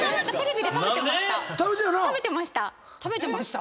食べてました